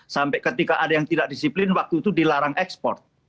sampai ketika ada yang tidak disiplin waktu itu dilarang ekspor